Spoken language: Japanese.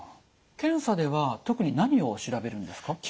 検査では特に何を調べるんですか？